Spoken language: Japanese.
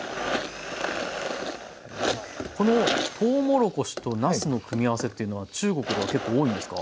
このとうもろこしとなすの組み合わせっていうのは中国では結構多いんですか？